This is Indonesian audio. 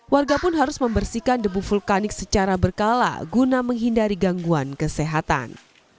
warga pun harus membersihkan debu vulkanik secara berkala guna menghindari gangguan kesehatan